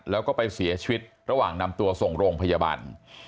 แล้วก็ไปเสียชีวิตระหว่างนำตัวส่งโรงพยาบาล